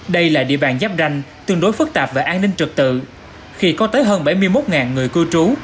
đây là địa bàn giáp ranh tương đối phức tạp về an ninh trật tự khi có tới hơn bảy mươi một người cư trú